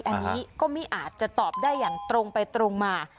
อันนี้ก็ไม่อาจจะตอบได้อย่างตรงไปตรงมา